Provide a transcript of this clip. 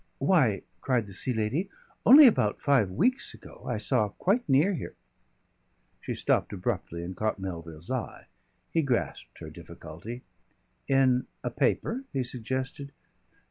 "Why!" cried the Sea Lady. "Only about five weeks ago I saw quite near here " She stopped abruptly and caught Melville's eye. He grasped her difficulty. "In a paper?" he suggested.